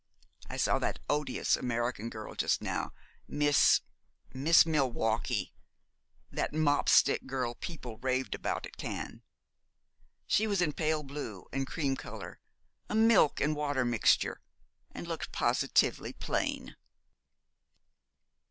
I saw that odious American girl just now Miss Miss Milwaukee, that mop stick girl people raved about at Cannes. She was in pale blue and cream colour, a milk and water mixture, and looked positively plain.'